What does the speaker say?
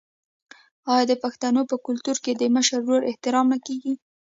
آیا د پښتنو په کلتور کې د مشر ورور احترام نه کیږي؟